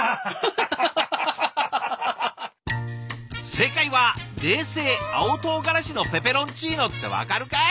正解は「冷製青唐辛子のペペロンチーノ」って分かるかい！